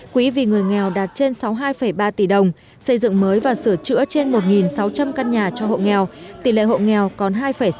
quỹ vì người nghèo đạt trên sáu mươi hai ba tỷ đồng xây dựng mới và sửa chữa trên một sáu trăm linh căn nhà cho hộ nghèo tỷ lệ hộ nghèo còn hai sáu mươi